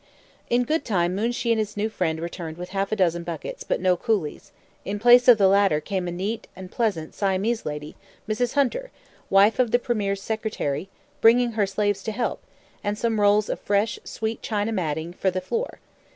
In good time Moonshee and his new friend returned with half a dozen buckets, but no coolies; in place of the latter came a neat and pleasant Siamese lady, Mrs. Hunter, wife of the premier's secretary, bringing her slaves to help, and some rolls of fresh, sweet China matting for the floor.